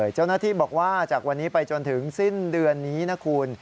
เจ้าหน้าที่บอกว่าจากวันนี้ไปจนถึงสิ้นเดือนนี้นะคุณ